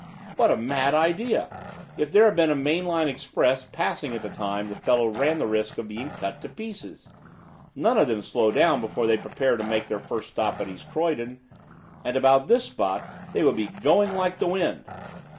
"What a mad idea! If there had been a main line express passing at the time the fellow ran the risk of being cut to pieces. None of them slow down before they prepare to make their first stop at East Croydon, and about this spot they would be going like the wind."